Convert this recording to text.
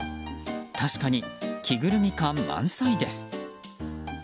確かに、着ぐるみ感満載です。